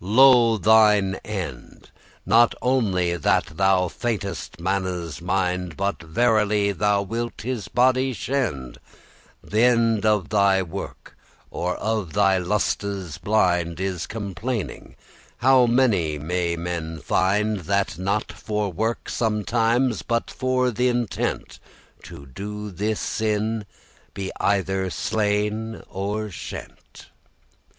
lo thine end! Not only that thou faintest* manne's mind, *weakenest But verily thou wilt his body shend.* *destroy Th' end of thy work, or of thy lustes blind, Is complaining: how many may men find, That not for work, sometimes, but for th' intent To do this sin, be either slain or shent?